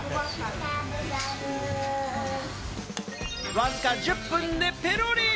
わずか１０分でペロリ。